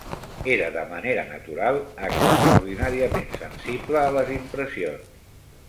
Era de manera natural extraordinàriament sensible a les impressions.